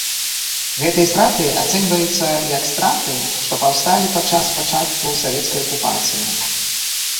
Гэтыя страты ацэньваюцца як страты, што паўсталі падчас пачатку савецкай акупацыі.